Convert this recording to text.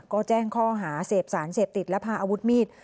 ก็แจ้งข้อหาเสพสารเสพติดและพาอาวุธมีด